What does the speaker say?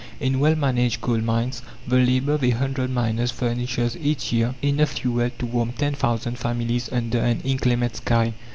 In well managed coal mines the labour of a hundred miners furnishes each year enough fuel to warm ten thousand families under an inclement sky.